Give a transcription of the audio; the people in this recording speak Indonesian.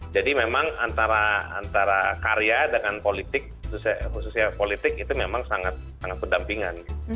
jadi memang antara antara karya dengan politik khususnya politik itu memang sangat sangat berdampingan